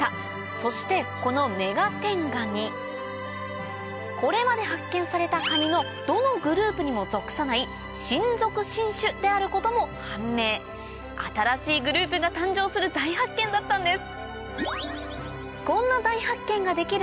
そしてこのメガテンガニこれまで発見されたカニのどのグループにも属さない新属新種であることも判明新しいグループが誕生する大発見だったんです